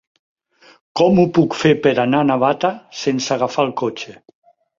Com ho puc fer per anar a Navata sense agafar el cotxe?